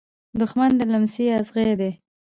دښمن د لمڅی ازغي دی .